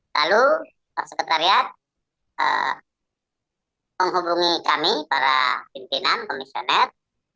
lalu sekretariat menghubungi kami para pimpinan komisioner